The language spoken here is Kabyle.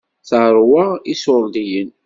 Teṛwa iṣuṛdiyen.